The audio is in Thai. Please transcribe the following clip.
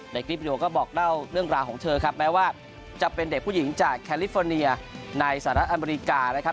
คลิปวิดีโอก็บอกเล่าเรื่องราวของเธอครับแม้ว่าจะเป็นเด็กผู้หญิงจากแคลิฟอร์เนียในสหรัฐอเมริกานะครับ